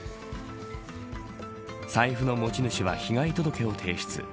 財布の持ち主は被害届を提出。